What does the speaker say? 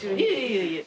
いえいえ。